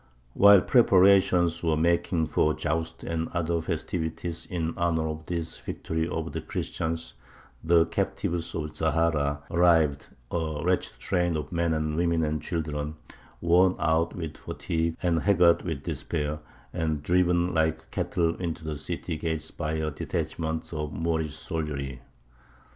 While preparations were making for jousts and other festivities in honour of this victory over the Christians, the captives of Zahara arrived a wretched train of men, women, and children, worn out with fatigue and haggard with despair, and driven like cattle into the city gates by a detachment of Moorish soldiery."